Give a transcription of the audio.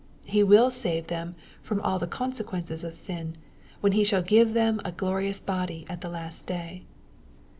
He will save them from all the conse quences of sin, when He shall give them a glorious body at the last day.